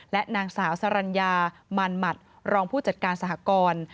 และนางสาวสรรญามันหมัดรองผู้จัดการสหกร